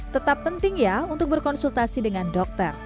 tetap penting ya untuk berkonsultasi dengan dokter